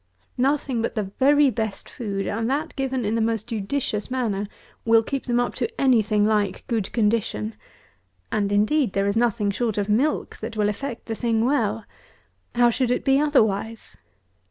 Nothing but the very best food, and that given in the most judicious manner, will keep them up to any thing like good condition; and, indeed, there is nothing short of milk that will effect the thing well. How should it be otherwise?